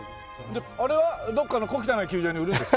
であれはどっかの小汚い球場に売るんでしょ。